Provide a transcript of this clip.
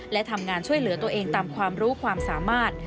และทำงานช่วยเหลือตัวเองตามความรู้ความสามารถ